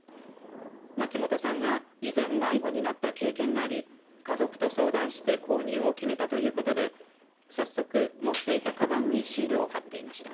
松本さんは以前迷子になった経験があり家族と相談して購入を決めたということで早速、持っていたかばんにシールを貼っていました。